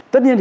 tất nhiên là